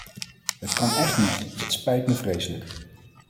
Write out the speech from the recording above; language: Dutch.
Het kan echt niet, het spijt me vreselijk.